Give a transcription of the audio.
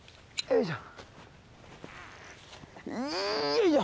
いよいしょ！